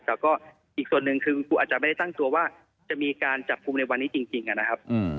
แต่ก็อีกส่วนหนึ่งคือครูอาจจะไม่ได้ตั้งตัวว่าจะมีการจับกลุ่มในวันนี้จริงนะครับ